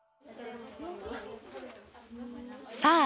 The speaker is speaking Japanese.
さあ